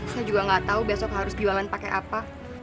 saya juga gak tau besok harus jualan pakai apa